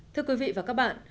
thưa quý vị và các bạn